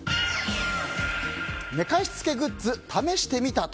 寝かしつけグッズ、試してみた。